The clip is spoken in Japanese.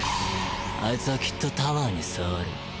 あいつはきっとタワーに触る。